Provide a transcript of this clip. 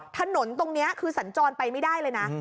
ถนนตรงนี้คือสัญจรไปไม่ได้เลยนะ